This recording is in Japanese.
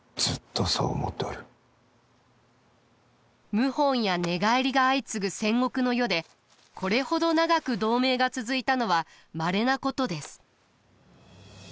謀反や寝返りが相次ぐ戦国の世でこれほど長く同盟が続いたのはまれなことです。